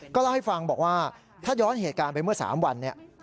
เล่าให้ฟังบอกว่าถ้าย้อนเหตุการณ์ไปเมื่อ๓วันเนี่ย